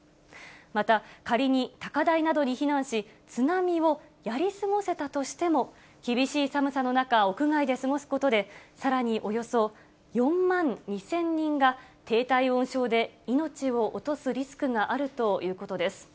また仮に、高台などに避難し、津波をやり過ごせたとしても、厳しい寒さの中、屋外で過ごすことで、さらにおよそ４万２０００人が低体温症で命を落とすリスクがあるということです。